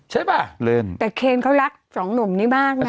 ใช่ป่ะเล่นแต่เคนเขารักสองหนุ่มนี้มากนะ